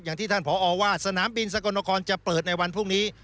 อย่างที่ท่านผอว่าสนามบินสกลนครจะเปิดในวันพรุ่งนี้